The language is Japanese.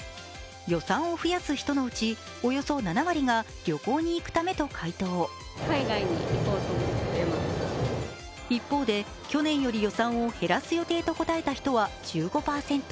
予算を増やす人のうちおよそ７割が旅行に行くためと回答一方で、去年より予算を減らす予定と答えた人は１５％。